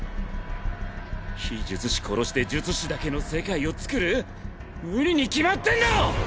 非術師殺して術師だけの世界をつくる⁉無理に決まってんだろ！